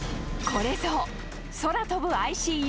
これぞ、空飛ぶＩＣＵ。